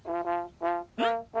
うん？